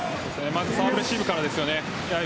まずサーブレシーブですよね。